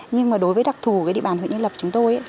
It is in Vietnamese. nhưng mà đối với đặc thù với địa bàn huyện nhân lập chúng tôi